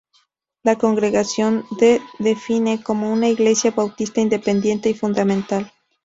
La congregación de define como una Iglesia Bautista Independiente y Fundamental.